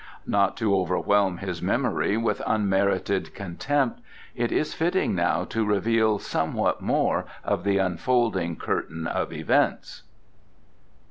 Not to overwhelm his memory with unmerited contempt it is fitting now to reveal somewhat more of the unfolding curtain of events.